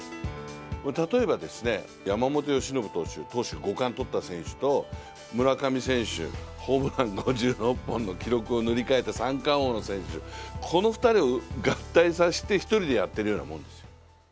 例えばですね、山本由伸投手、投手５冠を取った選手と、村上選手ホームラン５６本の記録を塗り替えた三冠王の選手、この２人を合体させて１人でやっているようなものですよ。